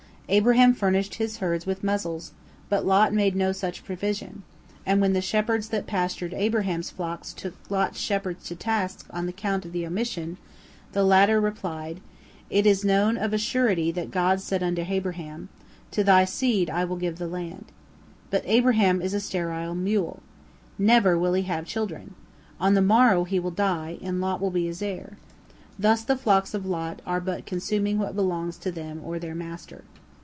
Abraham furnished his herds with muzzles, but Lot made no such provision, and when the shepherds that pastured Abraham's flocks took Lot's shepherds to task on account of the omission, the latter replied: "It is known of a surety that God said unto Abraham, 'To thy seed will I give the land.' But Abraham is a sterile mule. Never will he have children. On the morrow he will die, and Lot will be his heir. Thus the flocks of Lot are but consuming what belongs to them or their master."